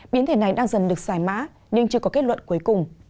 biến thể này đang dần được giải mã nhưng chưa có kết luận cuối cùng